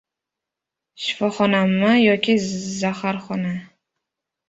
«Shifoxonami yoki zaharxona?»